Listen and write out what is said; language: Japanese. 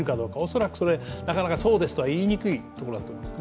恐らくそれは、なかなかそうですとは言いにくいところだと思います。